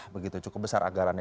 begitu cukup besar anggarannya